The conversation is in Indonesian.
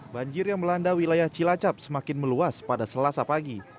banjir yang melanda wilayah cilacap semakin meluas pada selasa pagi